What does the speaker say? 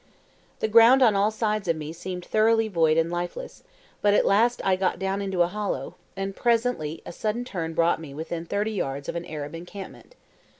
The ground on all sides of me seemed thoroughly void and lifeless, but at last I got down into a hollow, and presently a sudden turn brought me within thirty yards of an Arab encampment.